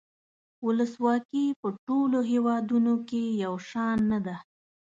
ولسواکي په ټولو هیوادونو کې یو شان نده.